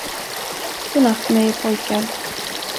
Godnatt med er pojkar!